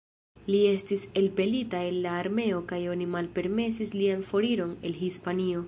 Li estis elpelita el la armeo kaj oni malpermesis lian foriron el Hispanio.